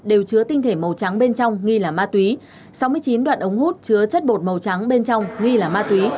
đều chứa tinh thể màu trắng bên trong nghi là ma túy sáu mươi chín đoạn ống hút chứa chất bột màu trắng bên trong nghi là ma túy